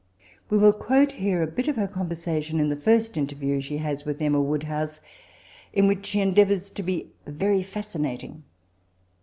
We will quote here a bit oif her conversation in the first inter view she has with Emma Woodhouae, in which she ifdeavours to be very fascinating.